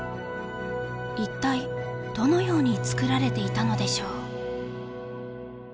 一体どのように作られていたのでしょう？